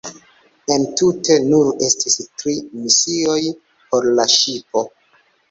Entute nur estis tri misioj por la ŝipo.